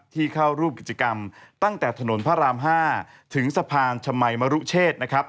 ที่เข้าร่วมกิจกรรมตั้งแต่ถนนพระราม๕ถึงสะพานชมัยมรุเชษนะครับ